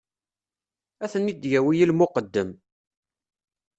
Ad ten-id-yawi i lmuqeddem.